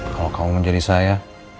kalau kamu menjadi saya